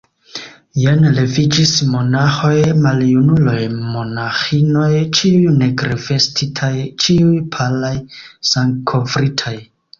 Jen leviĝis monaĥoj, maljunuloj, monaĥinoj, ĉiuj nigrevestitaj, ĉiuj palaj, sangkovritaj.